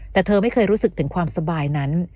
แต่เธอไม่เคยรู้สึกถึงความสบายนั้น